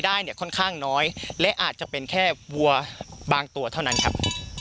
ได้เนี่ยค่อนข้างน้อยและอาจจะเป็นแค่วัวบางตัวเท่านั้นครับ